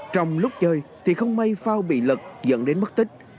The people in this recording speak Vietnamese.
trong lúc chơi thì không may phao bị lật dẫn đến mất tích